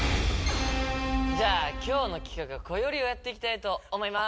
今日の企画はこよりをやって行きたいと思います。